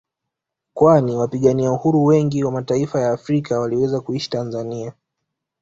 Kwani wapigania uhuru wengi wa mataifa ya Afrika waliweza kuishi Tanzania